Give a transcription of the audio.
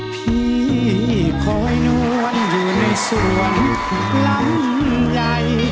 พี่คอยนวลอยู่ในสวนลำใหญ่